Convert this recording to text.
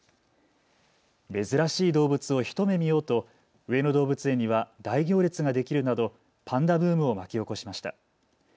珍しい動物を一目見ようと上野動物園には大行列ができるなどパンダブームを巻き起こしました。